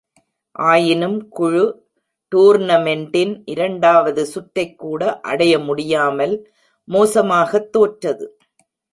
ஆயினும், குழு டூர்னமென்ட்டின் இரண்டாவது சுற்றைக் கூட அடைய முடியாமல் மோசமாகத் தோற்றது.